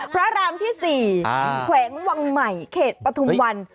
พระรามที่๔แขวงวังใหม่เขตปฐุมวัน